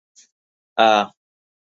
ئا.